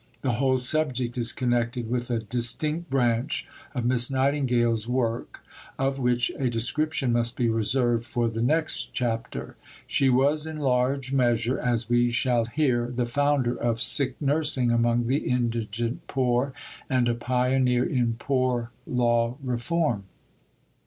The whole subject is connected with a distinct branch of Miss Nightingale's work, of which a description must be reserved for the next chapter. She was in large measure, as we shall hear, the founder of Sick Nursing among the Indigent Poor, and a pioneer in Poor Law Reform.